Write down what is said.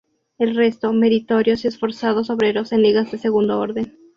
El resto, meritorios y esforzados obreros en ligas de segundo orden.